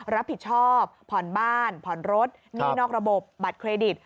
รับผิดชอบผ่อนบ้านผ่อนรถหนี้นอกระบบบัตรเครดิต